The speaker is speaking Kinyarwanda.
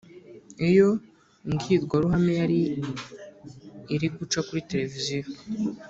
Iyo mbwirwaruhame yari iri guca kuri Televiziyo